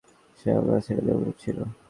সে আমরা ছেলেদের মতো ছিল।